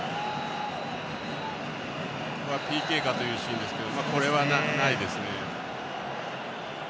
ＰＫかというシーンですがこれはないですね。